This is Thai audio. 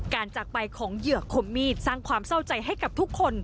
จากไปของเหยื่อคมมีดสร้างความเศร้าใจให้กับทุกคน